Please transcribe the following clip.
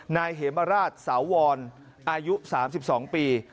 นายเหมราชสาววรอายุ๓๒ปี